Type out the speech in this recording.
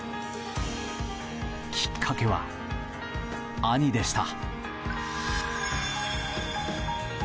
きっかけは兄でした。